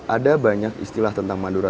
ada banyak istilah tentang madura